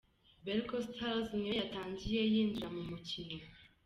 Berco Stars ni yo yatangiye yinjira mu mukino.